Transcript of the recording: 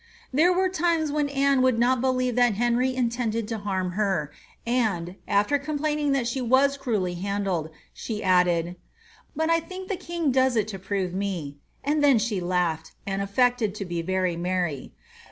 * There were times when Anne would not believe that Henry intended to harm her, and, after complaining that she was cruelly handled, she •dded, ^ But I think the king does it to prove me ;" and then she laughed, and afi^ted to be very merry.